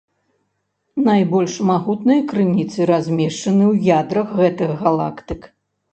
Найбольш магутныя крыніцы размешчаны ў ядрах гэтых галактык.